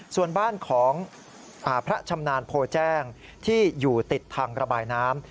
ส่วนบ้านของพระชำนาญโพแจ้งที่อยู่ติดทางระบายน้ำ